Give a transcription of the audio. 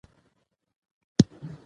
تاریخ د خپل ولس د نامت لامل دی.